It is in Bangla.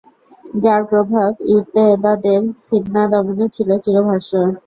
যার প্রভাব ইরতেদাদের ফিতনা দমনে ছিল চির ভাস্বর।